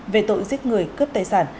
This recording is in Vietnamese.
về tội giết người cướp tài sản